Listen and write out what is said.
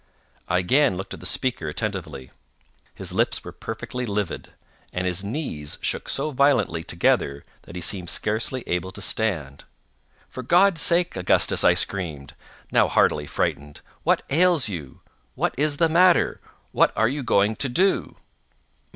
I again looked at the speaker attentively. His lips were perfectly livid, and his knees shook so violently together that he seemed scarcely able to stand. "For God's sake, Augustus," I screamed, now heartily frightened, "what ails you?—what is the matter?—what are you going to do?"